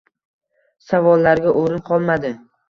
Savollarga o‘rin qolmadi